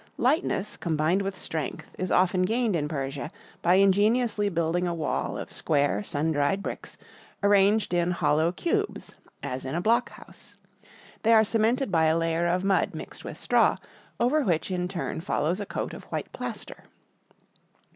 Lightness, combined with strength, is often gained in Persia by ingeniously building a wall of square sun dried bricks, arranged in hollow cubes as in a block house. They are cemented by a layer of mud mixed with straw, over which in turn follows a coat of white plaster.